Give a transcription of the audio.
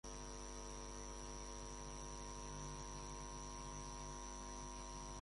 Su borde externo norte es tangente al pequeño cráter Fox.